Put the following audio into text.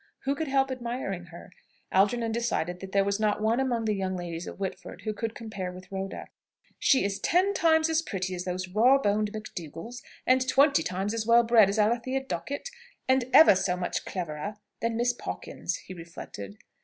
Who could help admiring her? Algernon decided that there was not one among the young ladies of Whitford who could compare with Rhoda. "She is ten times as pretty as those raw boned McDougalls, and twenty times as well bred as Alethea Dockett, and ever so much cleverer than Miss Pawkins," he reflected.